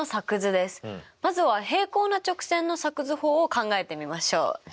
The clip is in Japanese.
まずは平行な直線の作図法を考えてみましょう！